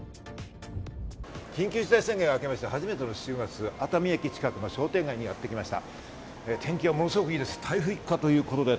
緊急事態宣言が明けて初めての土曜日、熱海駅近くの商店街にやってきました。